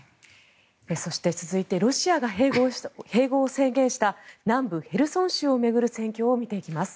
そして、続いてロシアが併合を宣言した南部ヘルソン州を巡る戦況を見ていきます。